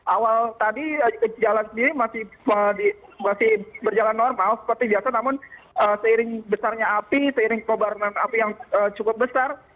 awal tadi jalan sendiri masih berjalan normal seperti biasa namun seiring besarnya api seiring kebaran api yang cukup besar